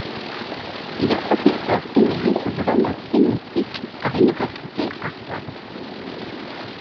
Il est professeur émérite de langues sémitiques à l'université Harvard.